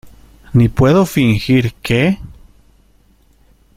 ni puedo fingir que...